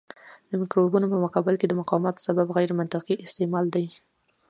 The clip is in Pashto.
د مکروبونو په مقابل کې د مقاومت سبب غیرمنطقي استعمال دی.